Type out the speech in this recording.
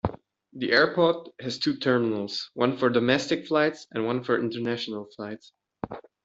The airport has two terminals, one for Domestic Flights and one for International Flights.